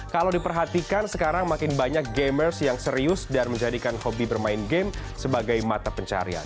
kalau diperhatikan sekarang makin banyak gamers yang serius dan menjadikan hobi bermain game sebagai mata pencarian